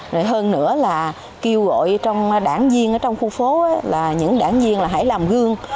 rồi hơn nữa là kêu gọi trong đảng viên ở trong khu phố là những đảng viên là hãy làm gương